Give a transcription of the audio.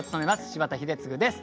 柴田英嗣です。